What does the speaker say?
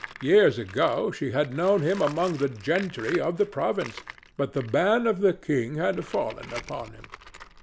Years ago she had known him among the gentry of the province, but the ban of the king had fallen upon him.